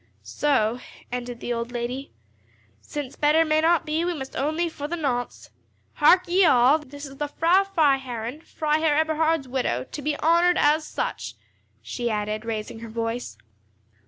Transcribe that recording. "So," ended the old lady, "since better may not be, we must own thee for the nonce. Hark ye all, this is the Frau Freiherrinn, Freiherr Eberhard's widow, to be honoured as such," she added, raising her voice.